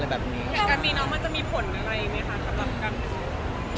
แล้วกับมีน้องมันจะมีผลอะไรอย่างนี้คะครับรับคำ